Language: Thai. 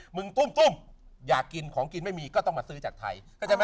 มึงจุ้มอยากกินของกินไม่มีก็ต้องมาซื้อจากไทย